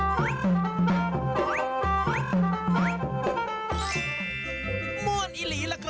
หม้นอีลีล่ะครับ